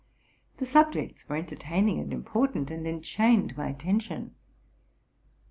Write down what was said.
The subjects were entertaining and important, and enchained my attention.